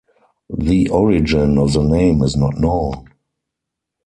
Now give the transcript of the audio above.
The origin of the name is not known.